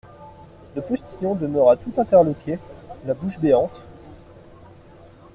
Le postillon demeura tout interloqué, la bouche béante.